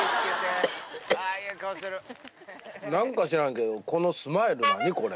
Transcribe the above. なんか知らんけど、このスマイル、何これ？